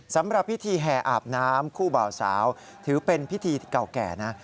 สำหรับพิธีแห่อาบน้ำคู่บ่าวสาวถือเป็นพิธีเก่าแก่นะ